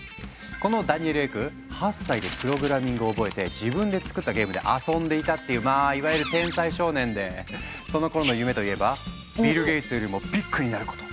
このダニエル・エク８歳でプログラミングを覚えて自分で作ったゲームで遊んでいたっていうまあいわゆる天才少年でそのころの夢といえば「ビル・ゲイツよりもビッグになること」だったとか。